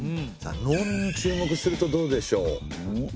農民に注目するとどうでしょう？